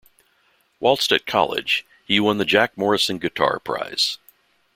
Whilst at college, he won the Jack Morrison guitar prize.